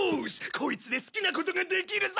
こいつで好きなことができるぞ！